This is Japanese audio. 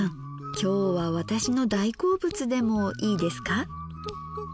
今日は私の大好物でもいいですか。